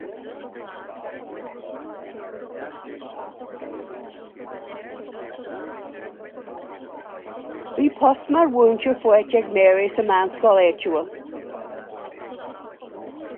Bhí post mar mhúinteoir faighte ag Mary sa meánscoil áitiúil.